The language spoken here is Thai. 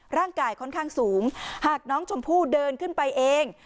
ร่างกายค่อนข้างสูงหากน้องชมพู่เดินขึ้นไปเอง